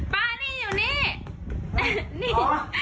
ป้าท่านนี้